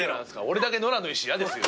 俺だけ野良の石嫌ですよ。